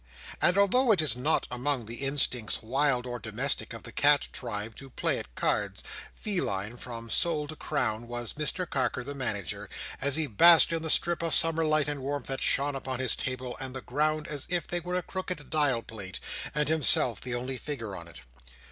And although it is not among the instincts wild or domestic of the cat tribe to play at cards, feline from sole to crown was Mr Carker the Manager, as he basked in the strip of summer light and warmth that shone upon his table and the ground as if they were a crooked dial plate, and himself the only figure on it.